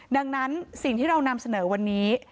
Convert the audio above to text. ดังนั้นสิ่งที่เรานำเสนอวันนี้